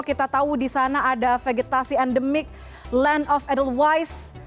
kita tahu di sana ada vegetasi endemik land of edelwise